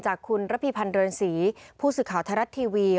จากคุณระปรีภัณฑ์เรินสีผู้ศึกเขาธรรท์ทีวี